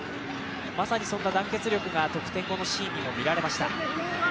まさにそんな団結力が得点を生むシーンに見られました。